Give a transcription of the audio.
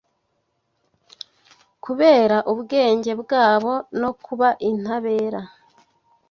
Kubera ubwenge bwabo no kuba intabera